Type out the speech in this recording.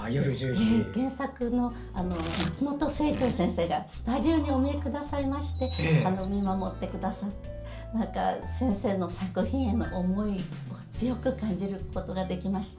原作の松本清張先生がスタジオにお見えくださいまして見守ってくださって先生の作品への思いを強く感じることができました。